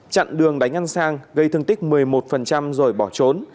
chặn đường đánh anh sang gây thương tích một mươi một rồi bỏ trốn